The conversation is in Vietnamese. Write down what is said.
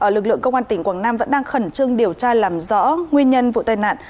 lực lượng công an tỉnh quảng nam vẫn đang khẩn trương điều tra làm rõ nguyên nhân vụ tai nạn